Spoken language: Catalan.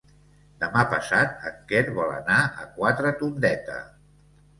Demà passat en Quer vol anar a Quatretondeta.